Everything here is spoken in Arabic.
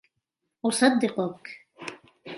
أصدقك.